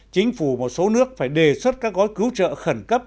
chính phủ một số nước phải đề xuất các gói cứu trợ khẩn cấp